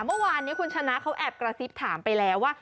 เมื่อวานนี้คุณชนะเขาแอบกระซิบถามไปแล้วว่า